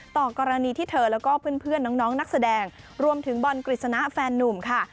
ต่อกรณีที่เธอแล้วก็เพื่อนน้องนักแสดงรวมถึงบอลกฤษณะแฟนนุ่มค่ะ